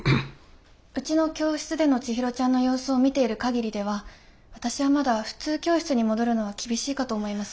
うちの教室でのちひろちゃんの様子を見ている限りでは私はまだ普通教室に戻るのは厳しいかと思います。